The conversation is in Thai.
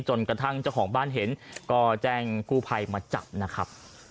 จนกระทั่งเจ้าของบ้านเห็นก็แจ้งกู้ภัยมาจับนะครับ